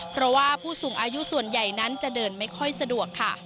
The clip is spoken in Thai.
เพราะว่าผู้สูงอายุส่วนใหญ่นั้นจะเดินไม่ค่อยสะดวกค่ะ